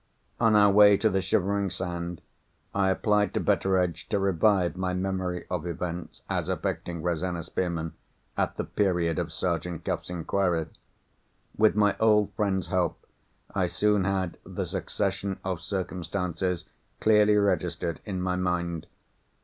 On our way to the Shivering Sand, I applied to Betteredge to revive my memory of events (as affecting Rosanna Spearman) at the period of Sergeant Cuff's inquiry. With my old friend's help, I soon had the succession of circumstances clearly registered in my mind.